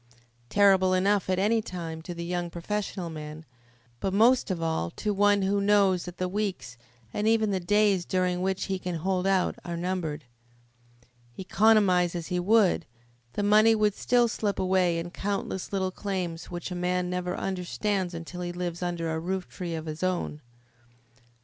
Terrible enough at any time to the young professional man, but most of all to one who knows that the weeks, and even the days during which he can hold out are numbered. Economise as he would, the money would still slip away in the countless little claims which a man never understands until he lives under a rooftree of his own. Dr.